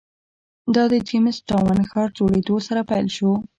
دا د جېمز ټاون ښار جوړېدو سره پیل شو.